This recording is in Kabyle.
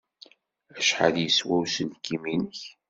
Acḥal yeswa uselkim-nnek?